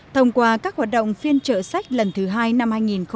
thông qua các hoạt động phiên trợ sách lần thứ hai năm hai nghìn một mươi tám